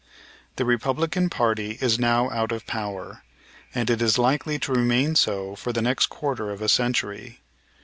The Republican party is now out of power, and it is likely to remain so for the next quarter of a century.